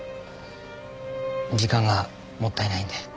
時間がもったいないので。